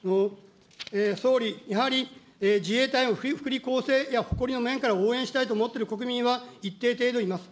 総理、やはり自衛隊の福利厚生や誇りの面から応援したいと思っている国民は一定程度います。